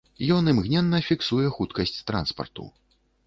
Ён імгненна фіксуе хуткасць транспарту.